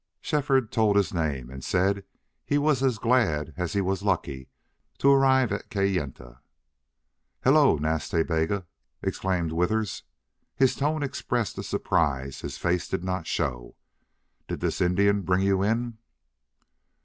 Shefford told his name and said he was as glad as he was lucky to arrive at Kayenta. "Hello! Nas Ta Bega!" exclaimed Withers. His tone expressed a surprise his face did not show. "Did this Indian bring you in?"